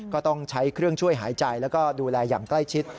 ก็ต้องใช้เครื่องช่วยหายใจแล้วก็ดูแลอย่างใกล้ชิด